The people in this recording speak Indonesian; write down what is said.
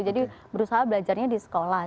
jadi berusaha belajarnya di sekolah sih